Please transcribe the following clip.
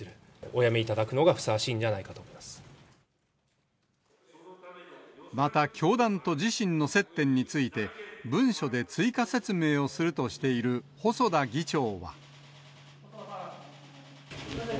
お辞めいただくのがふさわしいんまた、教団と自身の接点について、文書で追加説明をするとしている細田議長は。